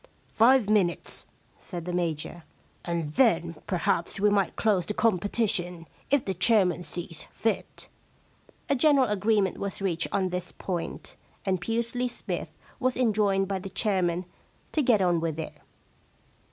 * Five minutes/ said the Major. * And then perhaps we might close the competition, if the chairman sees fit/ A general agreement was reached on this point, and Pusely Smythe was enjoined by the chairman to get on with it.